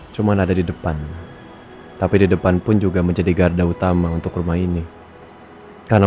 cuman ada di depan tapi di depan pun juga menjadi garda utama untuk rumah ini karena